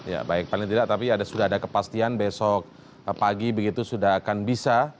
ya baik paling tidak tapi sudah ada kepastian besok pagi begitu sudah akan bisa